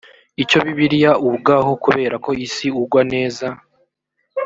icyo bibiliya ugaho kubera ko isi ugwa neza